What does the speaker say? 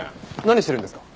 何してるんですか？